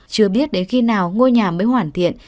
chưa biết đến khi nào ngôi nhà mới hoàn thiện